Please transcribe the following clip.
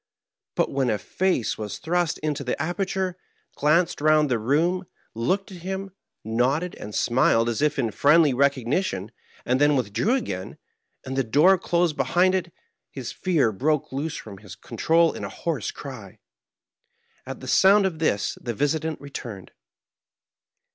But when a face was thrust into the aperture, glanced round the room, looked at him, nodded and smiled as if in friendly recognition, and then withdrew again, and the door closed behind it, his fear broke loose from his con trol in a hoarse cry. At the sound of this the visitant returned.